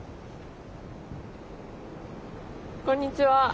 こんにちは。